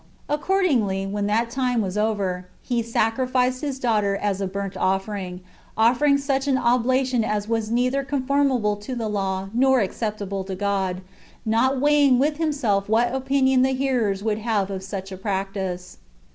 Accordingly, when that time was over, he sacrificed his daughter as a burnt offering, offering such an oblation as was neither conformable to the law nor acceptable to God, not weighing with himself what opinion the hearers would have of such a practice.